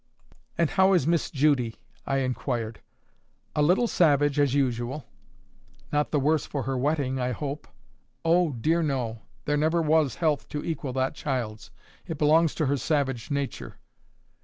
"And how is Miss Judy?" I inquired. "A little savage, as usual." "Not the worse for her wetting, I hope." "Oh! dear no. There never was health to equal that child's. It belongs to her savage nature."